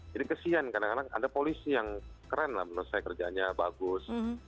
kesian kadang kadang ada polisi yang keren lah menurut saya kerjanya bagus